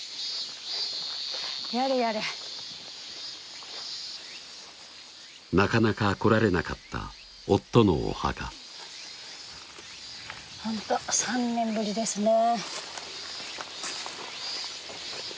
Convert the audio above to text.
やれやれなかなか来られなかった夫のお墓ホント３年ぶりですね